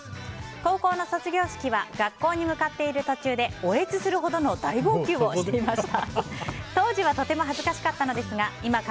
高校の卒業式は学校に向かっている途中で嗚咽するほどの大号泣をしていました。